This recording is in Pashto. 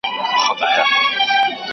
د مرهټيانو ځواک ولي ورځ تر بلې ډېرېده؟